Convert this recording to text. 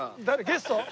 ゲスト？